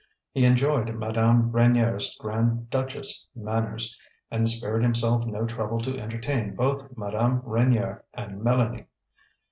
He enjoyed Madame Reynier's grand duchess manners, and spared himself no trouble to entertain both Madame Reynier and Mélanie.